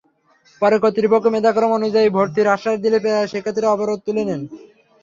পরে কর্তৃপক্ষ মেধাক্রম অনুযায়ী ভর্তির আশ্বাস দিলে শিক্ষার্থীরা অবরোধ তুলে নেন।